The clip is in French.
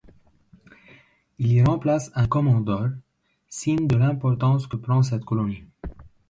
Il y remplace un commodore, signe de l'importance que prend cette colonie.